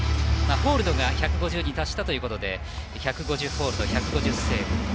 ホールドが１５０に達したということで１５０ホールド、１５０セーブ。